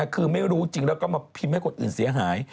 คือไม่รู้จริงแล้วก็มาพิมพ์ให้คนอื่นเสียหาย